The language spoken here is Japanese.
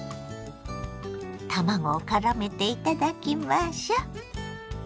卵をからめていただきましょ。